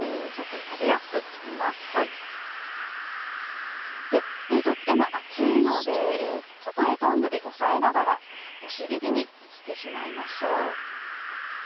とっても熱いのでトングで押さえながら押し切りにしてしまいましょう。